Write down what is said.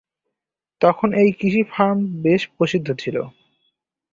তখন এই কৃষি ফার্ম বেশ প্রসিদ্ধ ছিল।